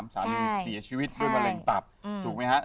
สาวนี้เสียชีวิตด้วยวัลเบิร์งตับถูกมั้ยฮะ